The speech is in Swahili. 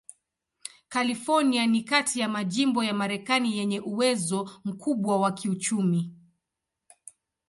California ni kati ya majimbo ya Marekani yenye uwezo mkubwa wa kiuchumi.